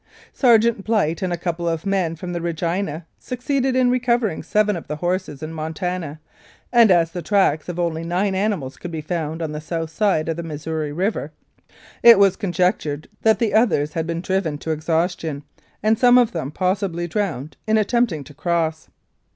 Sergeant Blight and a couple of men from Regina succeeded in recovering seven of the horses in Montana, and as the tracks of only nine animals could be found on the south side of the Missouri River it was conjectured that the others had been driven to ex haustion, and some of them possibly drowned in attempting to cross.